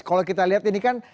kalau kita lihat ini kan